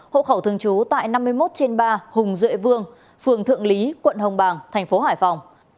hộ khẩu thường trú tại năm mươi một trên ba hùng duệ vương phường thượng lý quận hồng bàng thành phố hải phòng